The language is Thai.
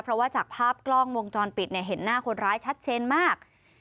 เพราะว่าจากภาพกล้องวงจรปิดเห็นหน้าคนร้ายชัดเจนมาก